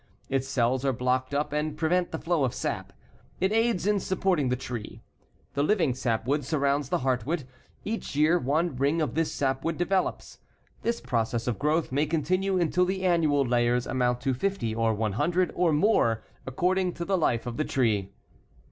Its cells are blocked up and prevent the flow of sap. It aids in supporting the tree. The living sapwood surrounds the heartwood. Each year one ring of this sapwood develops. This process of growth may continue until the annual layers amount to 50 or 100, or more, according to the life of the tree.